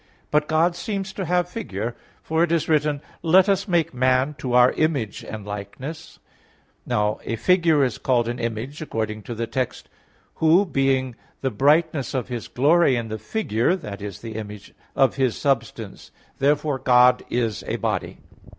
But God seems to have figure, for it is written: "Let us make man to our image and likeness" (Gen. 1:26). Now a figure is called an image, according to the text: "Who being the brightness of His glory and the figure," i.e. the image, "of His substance" (Heb. 1:3). Therefore God is a body.